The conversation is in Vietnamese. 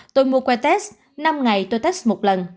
tôi mua qua test năm ngày tôi test một lần